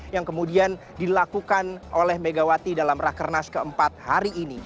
yang kemudian dilakukan oleh megawati dalam rakernas keempat hari ini